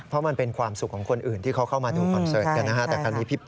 เพราะมันเป็นความสุขของคนอื่นที่เขาเข้ามาดูคอนเสิร์ตกันนะฮะ